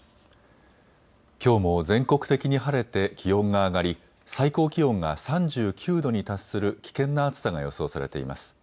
きょうも全国的に晴れて気温が上がり最高気温が３９度に達する危険な暑さが予想されています。